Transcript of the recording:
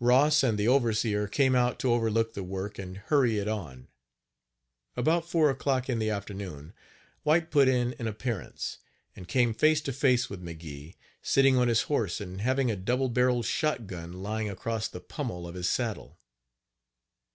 Ross and the overseer came out to overlook the work and hurry it on. About four o'clock in the afternoon White put in an appearance, and came face to face with McGee, sitting on his horse and having a double barreled shot gun lying across the pummel of his saddle.